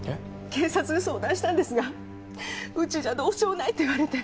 警察に相談したんですがうちじゃどうしようもないって言われて。